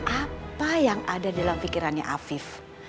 apa yang ada dalam pikirannya afif